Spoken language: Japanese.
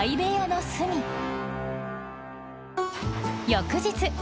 翌日。